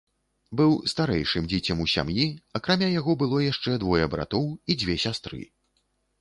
Быў старэйшым дзіцем у сям'і, акрамя яго было яшчэ двое братоў і дзве сястры.